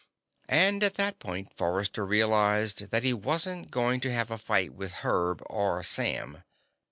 And, at that point, Forrester realized that he wasn't going to have a fight with Herb or Sam.